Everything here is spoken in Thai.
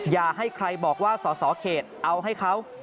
อย่าให้ใครบอกว่าสอสอเขตเอาให้เขา